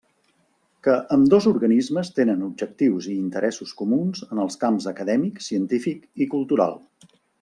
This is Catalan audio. Que ambdós organismes tenen objectius i interessos comuns en els camps acadèmic, científic i cultural.